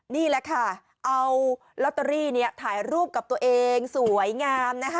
นี่แหละค่ะเอาลอตเตอรี่ถ่ายรูปกับตัวเองสวยงามนะคะ